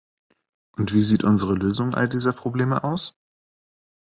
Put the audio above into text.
Und wie sieht unsere Lösung all dieser Probleme aus?